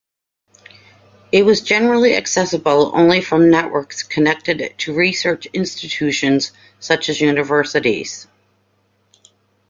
It was generally accessible only from networks connected to research institutions such as universities.